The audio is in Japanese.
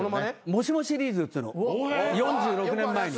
もしもシリーズっつうのを４６年前に。